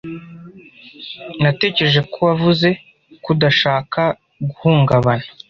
Natekereje ko wavuze ko udashaka guhungabana.